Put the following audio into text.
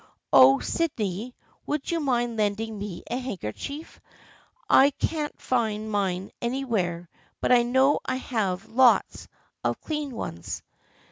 Oh, Sydney, would you mind lending me a handkerchief? I can't find mine anywhere, but I know I have lots of clean ones."